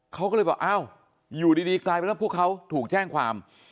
เขาก็เลยบอกอ้าวอยู่ดีกลายเป็นว่าพวกเขาถูกแจ้งความ